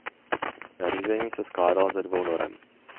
Nařízení se skládala ze dvou norem.